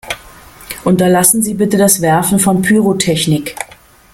Unterlassen Sie bitte das Werfen von Pyrotechnik!